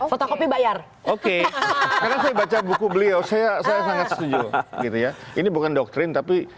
fotokopi bayar oke karena saya baca buku beliau saya sangat setuju gitu ya ini bukan doktrin tapi